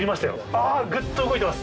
あー、ぐっと動いています。